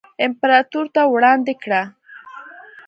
امپراتور ته وړاندې کړه.